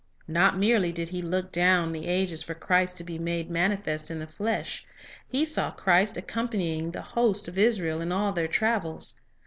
Not merely did he look down the ages for Christ to be made manifest in the flesh ; he saw Christ accom panying the host of Israel in all their travels.